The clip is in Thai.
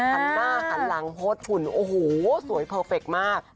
หันหน้าหันหลังโพสต์ฝุ่นโอ้โหสวยเพอร์เฟคมาก